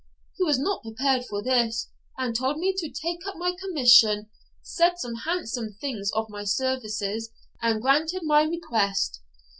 He was not prepared for this; he told me to take up my commission, said some handsome things of my services, and granted my request.